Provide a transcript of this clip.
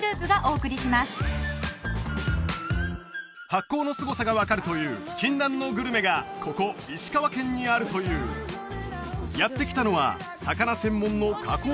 発酵のすごさが分かるという禁断のグルメがここ石川県にあるというやって来たのは魚専門の加工